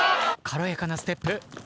軽やかなステップ。